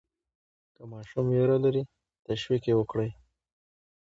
که ماشوم ویره لري، تشویق یې وکړئ.